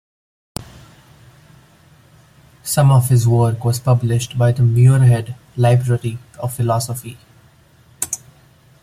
Some of his work was published by the Muirhead Library of Philosophy.